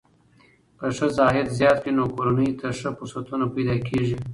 که ښځه عاید زیات کړي، نو کورنۍ ته ښه فرصتونه پیدا کېږي.